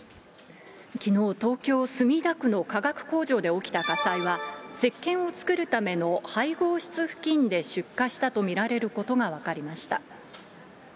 きのう、東京・墨田区の化学工場で起きた火災は、せっけんを作るための配合室付近で出火したと見られることが分かりました。